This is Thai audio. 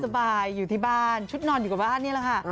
สบายอยู่ที่บ้านชุดนอนอยู่กับบ้านนี่แหละค่ะ